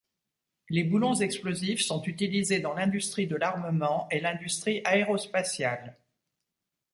Les boulons explosifs sont utilisés dans l'industrie de l'armement et l'industrie aérospatiale.